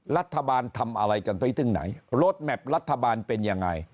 รัฐบาลทำอะไรกันไปถึงไหนรถแมพรัฐบาลเป็นยังไง